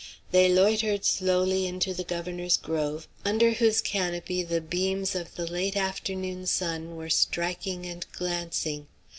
They loitered slowly into the governor's grove, under whose canopy the beams of the late afternoon sun were striking and glancing.